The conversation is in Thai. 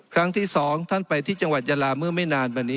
ครั้งที่สองท่านไปที่จังหวัดยาลามื้อไม่นาน